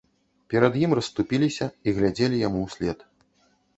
Перад ім расступіліся і глядзелі яму ўслед.